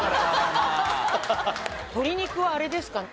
鶏肉はあれですか？